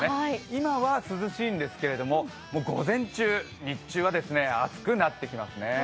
今は涼しいんですけれども、午前中、日中は暑くなってきます。